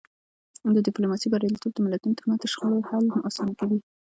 د ډیپلوماسی بریالیتوب د ملتونو ترمنځ د شخړو حل اسانه کوي.